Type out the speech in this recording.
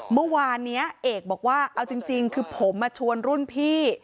เมื่อวานนี้เอกบอกว่าเอาจริงคือผมมาชวนรุ่นพี่